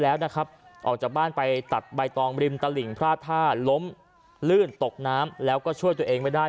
แล้วนะครับออกจากบ้านไปตัดใบตองริมตลิ่งพลาดท่าล้มลื่นตกน้ำแล้วก็ช่วยตัวเองไม่ได้